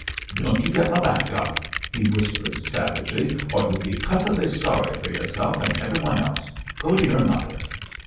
'Don't you git m' back up,' he whispered savagely, 'or you'll be cussedly sorry for yerself an' everyone else. Go to yer mother.'